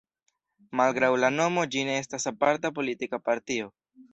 Malgraŭ la nomo, ĝi ne estas aparta politika partio.